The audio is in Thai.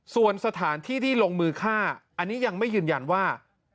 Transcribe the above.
ส่วนสถานที่ที่ลงมือฆ่าอันนี้ยังไม่ยืนยันว่า